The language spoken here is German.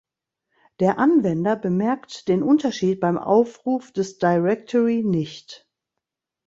Der Anwender bemerkt den Unterschied beim Aufruf des Directory nicht.